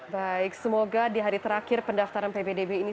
baik semoga di hari terakhir pendaftaran ppdb ini